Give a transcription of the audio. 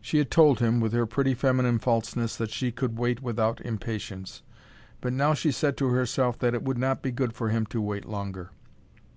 She had told him, with her pretty feminine falseness, that she could wait without impatience; but now she said to herself that it would not be good for him to wait longer.